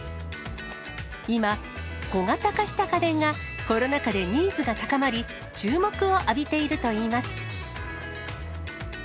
今、小型化した家電が、コロナ禍でニーズが高まり、注目を浴びているといいます。